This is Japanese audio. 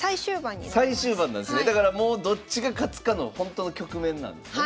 だからもうどっちが勝つかのほんとの局面なんですね。